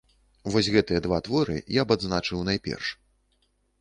Вось гэтыя два творы я б адзначыў найперш.